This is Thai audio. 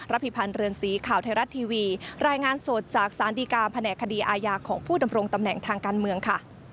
พิพันธ์เรือนสีข่าวไทยรัฐทีวีรายงานสดจากสารดีการแผนกคดีอาญาของผู้ดำรงตำแหน่งทางการเมืองค่ะ